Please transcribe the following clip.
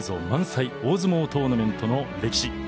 満載大相撲トーナメントの歴史